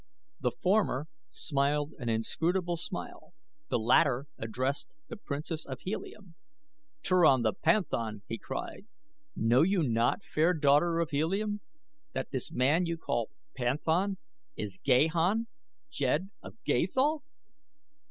The former smiled an inscrutable smile, the latter addressed the Princess of Helium. "'Turan the panthan!'" he cried. "Know you not, fair daughter of Helium, that this man you call panthan is Gahan, Jed of Gathol?"